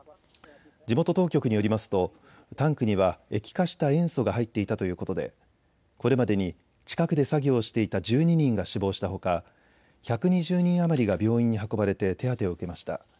地元当局によりますとタンクには液化した塩素が入っていたということでこれまでに近くで作業していた１２人が死亡したほか１２０人余りが病院に運ばれて手当てを受けました。